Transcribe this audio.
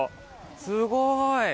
すごい！